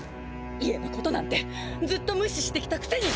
家のことなんてずっとむししてきたくせに！